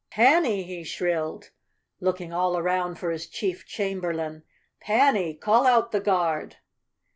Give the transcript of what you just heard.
^JPanny! " he shrilled, looking all around for his chief chamberlain, "Panny, call out the Guard!"